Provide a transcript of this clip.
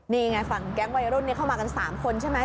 นี่ไงฝั่งแก๊งวัยรุ่นนี้เข้ามากัน๓คนใช่ไหม